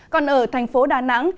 còn ở thành phố đà nẵng